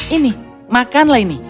ini makanlah ini